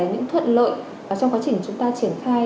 những thuận lợi trong quá trình chúng ta triển khai